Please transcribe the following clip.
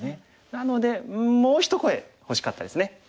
なのでうんもう一声欲しかったですね。